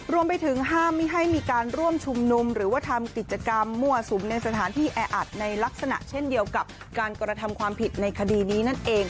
รวมไปถึงห้ามไม่ให้มีการร่วมชุมนุมหรือว่าทำกิจกรรมมั่วสุมในสถานที่แออัดในลักษณะเช่นเดียวกับการกระทำความผิดในคดีนี้นั่นเอง